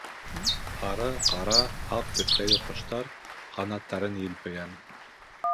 Һары, ҡара, аҡ төҫтәге ҡоштар ҡанаттарын елпегән.